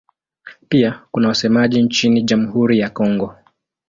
Pia kuna wasemaji nchini Jamhuri ya Kongo.